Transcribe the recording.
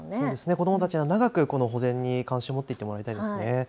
子どもたちは長くこの保全に関心を持っていってもらいたいですね。